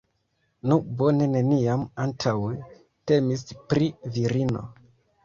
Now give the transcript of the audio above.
Nu, bone, neniam antaŭe temis pri virino.